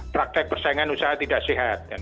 praktek persaingan usaha tidak sehat